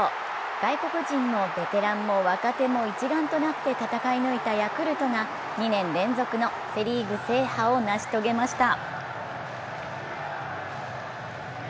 外国人もベテランも若手も一丸となって戦い抜いたヤクルトが２年連続のセ・リーグ制覇を成し遂げました。